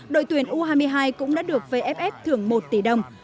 đội tuyển u hai mươi hai cũng đã được vff thưởng một tỷ đồng